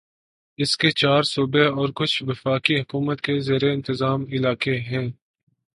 اس کے چار صوبے اور کچھ وفاقی حکومت کے زیر انتظام علاقے ہیں